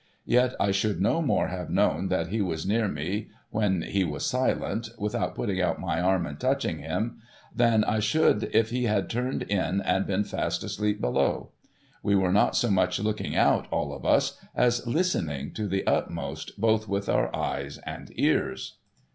Yet I should no more have known that he was near me when he was silent, without putting out my arm and touching him, than I should if he had turned in and been fast asleep below. We were not so much looking out, all of us, as listening to the utmost, both with our eyes and ears.